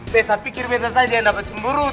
betapikir betas aja yang dapat cemurut